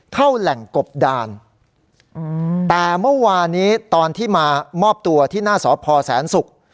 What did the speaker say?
เข้าแหล่งกบดานแต่เมื่อวานี้ตอนที่มามอบตัวที่หน้าสพแสนศุกร์